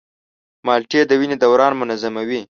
مالټې د وینې دوران منظموي.